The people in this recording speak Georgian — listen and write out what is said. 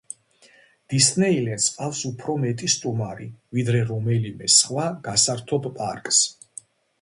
დისნეილენდს ჰყავს უფრო მეტი სტუმარი, ვიდრე რომელიმე სხვა გასართობ პარკს.